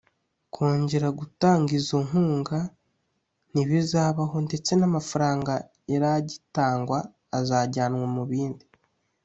kongera gutanga izo nkunga ntibizabaho ndetse n’amafaranga yari agitangwa azajyanwa mu bindi